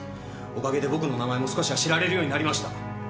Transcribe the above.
おかげで僕の名前も少しは知られるようになりました。